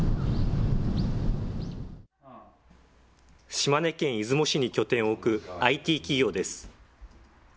島根県出雲市に拠点を置くＩＴ企業です。